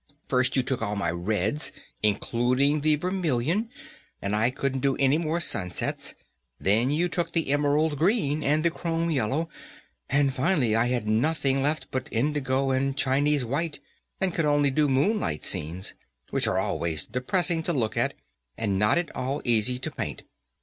First you took all my reds, including the vermilion, and I couldn't do any more sunsets, then you took the emerald green and the chrome yellow, and finally I had nothing left but indigo and Chinese white, and could only do moonlight scenes, which are always depressing to look at, and not at all easy to paint.